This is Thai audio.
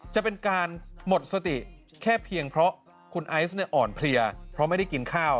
จะเป็นการหมดสติแค่เพียงเพราะคุณไอซ์เนี่ยอ่อนเพลียเพราะไม่ได้กินข้าว